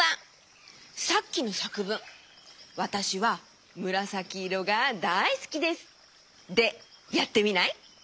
さっきのさくぶん「わたしはむらさきいろがだいすきです」でやってみない？